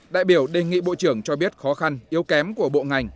đại biểu đề nghị bộ trưởng cho biết khó khăn yếu kém của bộ ngành